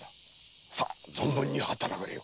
さっ存分に働かれよ。